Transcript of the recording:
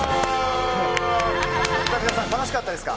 皆さん、楽しかったですか？